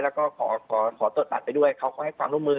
แล้วก็ขอตรวจตัดไปด้วยเขาก็ให้ความร่วมมือ